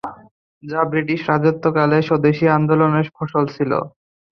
যা ব্রিটিশ রাজত্বকালে স্বদেশী আন্দোলনের ফসল ছিল।